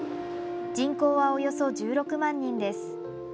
人口はおよそ１６万人です。